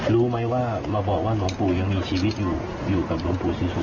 รู้ไหมว่าลมปูยังมีชีวิตอยู่กับลมปูสิรุปโทน